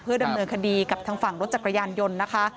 ดำเนินคดีกับทางฝั่งรถจักรยานยนต์นะคะ